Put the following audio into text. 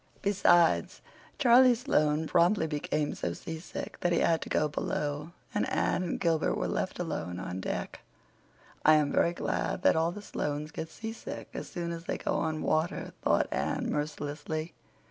Besides, Charlie Sloane promptly became so seasick that he had to go below, and Anne and Gilbert were left alone on deck. "I am very glad that all the Sloanes get seasick as soon as they go on water," thought Anne mercilessly.